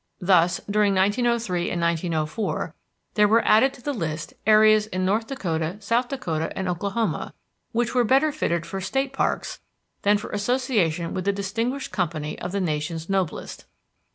Thus, during 1903 and 1904, there were added to the list areas in North Dakota, South Dakota, and Oklahoma, which were better fitted for State parks than for association with the distinguished company of the nation's noblest.